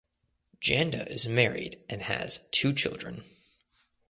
Janda is married and has two children.